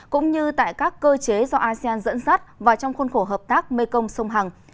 cũng như tại các cơ chế do asean dẫn dắt và trong khuôn khổ hợp tác mekong sông hằng